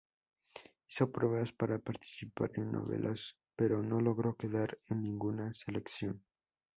Hizo pruebas para participar en novelas pero no logró quedar en ninguna selección.